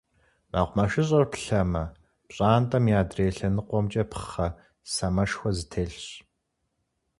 МэкъумэшыщӀэр плъэмэ - пщӀантӀэм и адрей лъэныкъуэмкӀэ пхъэ самэшхуэ зытелъщ.